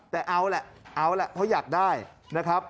แต่เอาแหละเอาแหละเพราะอยากได้นะครับ